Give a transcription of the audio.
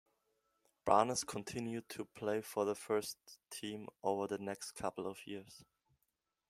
Barness continued to play for the first team over the next couple of years.